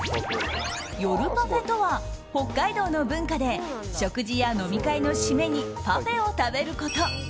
夜パフェとは、北海道の文化で食事や飲み会の締めにパフェを食べること。